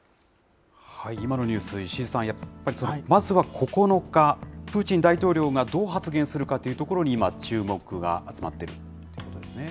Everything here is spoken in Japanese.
今のニュース、石井さん、やっぱり、まずは９日、プーチン大統領がどう発言するかというところに今、注目が集まっているということですね。